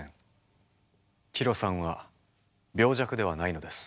ヒロさんは病弱ではないのです。